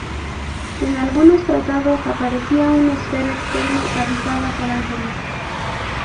En algunos tratados aparecía una esfera externa, habitada por ángeles.